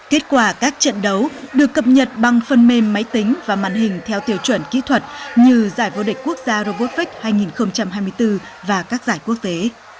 kết quả các trận đấu được cập nhật bằng phần mềm máy tính và màn hình theo tiêu chuẩn kỹ thuật như giải vô địch quốc gia robotvec hai nghìn hai mươi bốn và các giải quốc tế